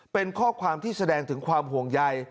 เป็นข้อความที่แสดงถึงความห่วงใย